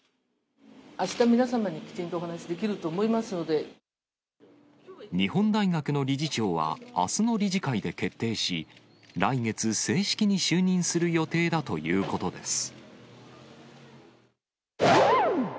あした皆様にきちんとお話し日本大学の理事長は、あすの理事会で決定し、来月、正式に就任する予定だということです。